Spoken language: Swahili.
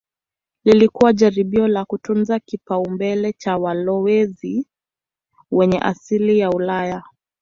Lilikuwa jaribio la kutunza kipaumbele cha walowezi wenye asili ya Ulaya.